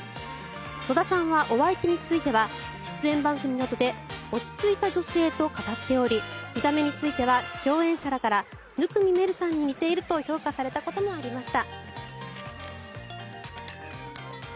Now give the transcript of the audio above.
野田さんはお相手については出演番組などで落ち着いた女性と語っており見た目については共演者らから生見愛瑠さんに似ていると評価されたこともありました。